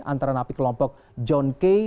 antara napi kelompok john kay